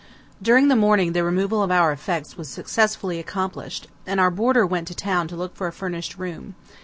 During the morning the removal of our effects was successfully accomplished, and our boarder went to town to look for a furnished room.